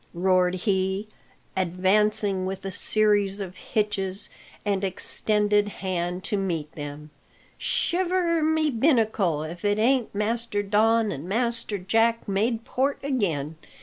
roared he, advancing with a series of hitches and extended hand to meet them. "Shiver my binnacle if it ain't Master Don and Master Jack made port again!